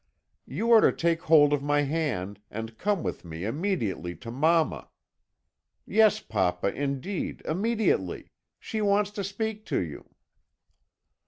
"'You are to take hold of my hand, and come with me immediately to mamma. Yes, papa, indeed, immediately! She wants to speak to you.'